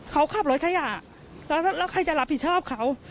เขาขับรถขยะแล้วใครจะรับผิดชอบเขา